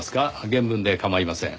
原文で構いません。